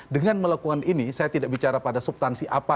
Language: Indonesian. dengan melakukan ini saya tidak bicara pada subtansi apa